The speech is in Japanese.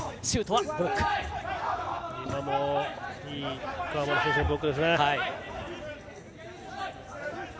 いい川村選手のブロックでした。